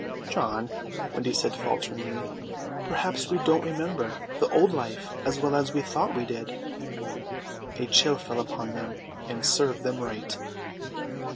"John," Wendy said falteringly, "perhaps we don't remember the old life as well as we thought we did." A chill fell upon them; and serve them right.